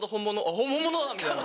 本物だ！みたいな。